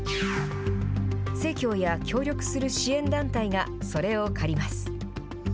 生協や協力する支援団体が、それを借ります。